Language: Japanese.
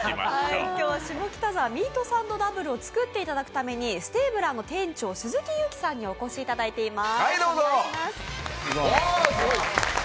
今日は下北沢ミートサンドダブルを作っていただくためにＳＴＡＢＬＥＲの店長、鈴木悠基さんにお越しいただいています。